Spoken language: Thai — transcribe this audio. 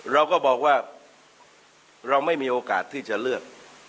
เราก็บอกว่าเราไม่มีโอกาสที่จะเลือก